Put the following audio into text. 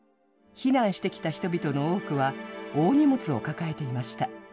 避難してきた人々の多くは大荷物を抱えていました。